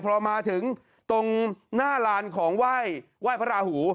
พอมาถึงตรงหน้าลานของไหว้พระราหู